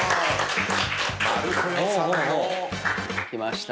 きました。